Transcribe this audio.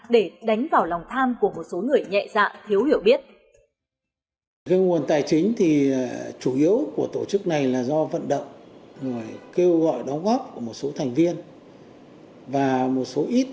để đánh vào lòng tham của một số người nhẹ dạ thiếu hiểu biết